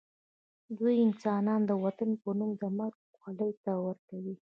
دوی انسانان د وطن په نوم د مرګ خولې ته ورکوي